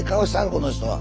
この人は。